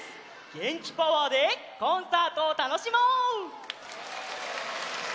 げんきパワーでコンサートをたのしもう！